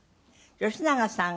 吉永さん